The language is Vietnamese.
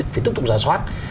phía tục tục giả soát